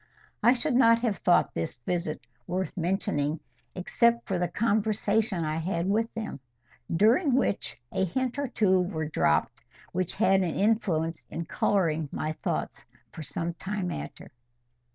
I should not have thought this visit worth mentioning, except for the conversation I had with them, during which a hint or two were dropped which had an influence in colouring my thoughts for some time after.